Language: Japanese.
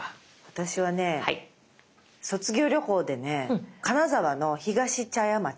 私はね卒業旅行でね金沢のひがし茶屋街。